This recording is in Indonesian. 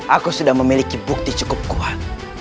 aku sudah memiliki bukti cukup kuat